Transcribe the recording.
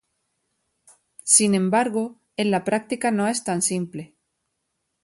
Sin embargo, en la práctica no es tan simple.